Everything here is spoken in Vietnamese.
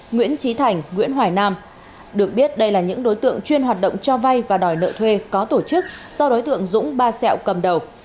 nguyễn trí thành nguyễn hoài nam được biết đây là những đối tượng chuyên hoạt động cho vay và đòi nợ thuê có tổ chức do đối tượng dũng ba xẹo cầm đầu